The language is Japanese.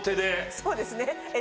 そうですね。